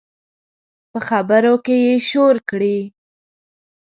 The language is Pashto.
په خبرو کې یې شور کړي